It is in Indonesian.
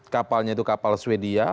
kapalnya itu kapal swedia